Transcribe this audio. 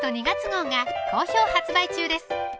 ２月号が好評発売中です